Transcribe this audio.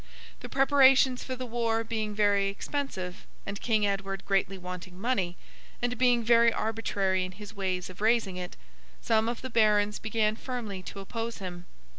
The preparations for the war being very expensive, and King Edward greatly wanting money, and being very arbitrary in his ways of raising it, some of the Barons began firmly to oppose him.